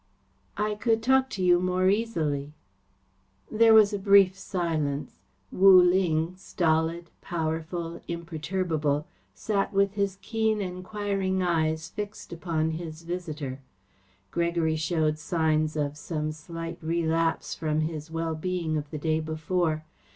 "I could talk to you more easily." There was a brief silence. Wu Ling, stolid, powerful, imperturbable, sat with his keen enquiring eyes fixed upon his visitor. Gregory showed signs of some slight relapse from his well being of the day before.